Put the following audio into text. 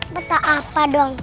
peta apa dong